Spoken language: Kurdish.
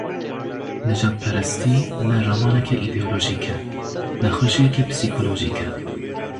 Nijadperestî ne ramaneke îdeolojîk e, nexweşiyeke psîkolojîk e.